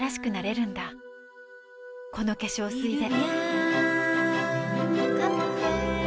この化粧水で